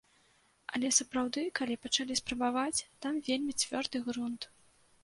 Але сапраўды, калі пачалі спрабаваць, там вельмі цвёрды грунт.